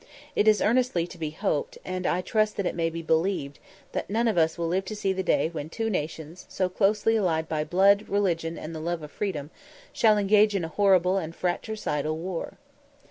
It is earnestly to be hoped, and I trust that it may be believed, that none of us will live to see the day when two nations, so closely allied by blood, religion, and the love of freedom, shall engage in a horrible and fratricidal war.